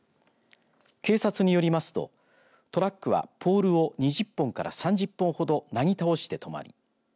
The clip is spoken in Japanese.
警察によりますとトラックはポールを２０本から３０本ほどなぎ倒して止まり